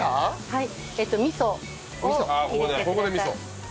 はい。